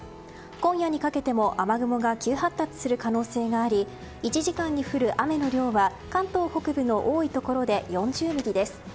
今夜にかけても雨雲が急発達する可能性があり１時間に降る雨の量は関東北部の多いところで４０ミリです。